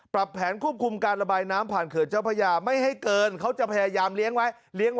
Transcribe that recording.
ปรับแผนควบคุมการระบายน้ำผ่านเขื่อนเจ้าพระยาไม่ให้เกินเขาจะพยายามเลี้ยงไว้